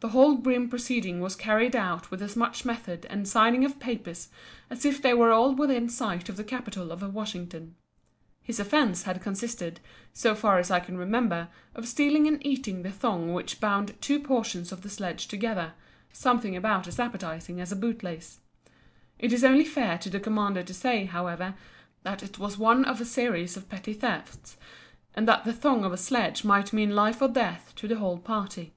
The whole grim proceeding was carried out with as much method and signing of papers, as if they were all within sight of the Capitol at Washington. His offence had consisted, so far as I can remember, of stealing and eating the thong which bound two portions of the sledge together, something about as appetizing as a bootlace. It is only fair to the commander to say, however, that it was one of a series of petty thefts, and that the thong of a sledge might mean life or death to the whole party.